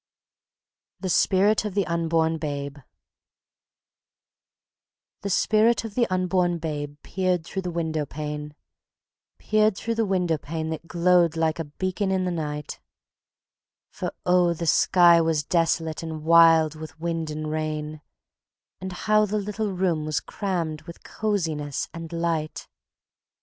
The Spirit of the Unborn Babe The Spirit of the Unborn Babe peered through the window pane, Peered through the window pane that glowed like beacon in the night; For, oh, the sky was desolate and wild with wind and rain; And how the little room was crammed with coziness and light!